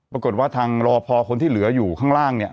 ปรากฏว่าทางรอพอคนที่เหลืออยู่ข้างล่างเนี่ย